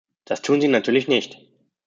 Das tun sie natürlich nicht.